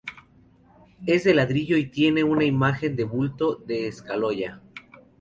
Es de ladrillo y tiene una imagen de bulto de escayola.